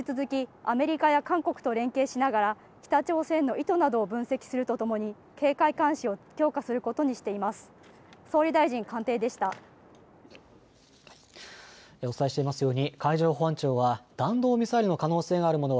引き続きアメリカや韓国と連携しながら北朝鮮の意図などを分析するとともに警戒監視を強化することにしています。